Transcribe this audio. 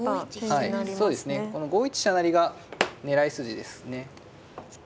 この５一飛車成が狙い筋ですね。